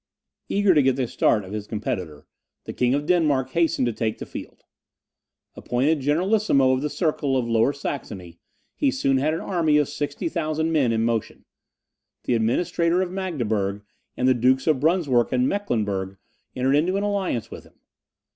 Eager to get the start of his competitor, the King of Denmark hastened to take the field. Appointed generalissimo of the circle of Lower Saxony, he soon had an army of 60,000 men in motion; the administrator of Magdeburg, and the Dukes of Brunswick and Mecklenburgh, entered into an alliance with him.